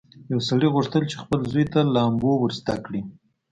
یو سړي غوښتل چې خپل زوی ته لامبو ور زده کړي.